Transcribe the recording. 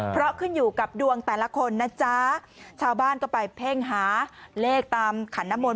เพราะขึ้นอยู่กับดวงแต่ละคนนะจ๊ะชาวบ้านก็ไปเพ่งหาเลขตามขันน้ำมนต